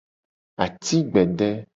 Ati gbede.